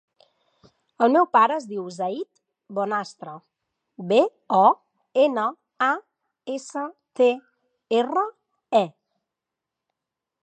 El meu pare es diu Zayd Bonastre: be, o, ena, a, essa, te, erra, e.